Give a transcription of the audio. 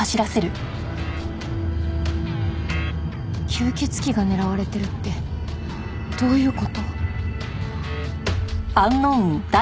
吸血鬼が狙われてるってどういう事？